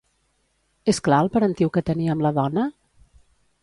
És clar el parentiu que tenia amb la dona?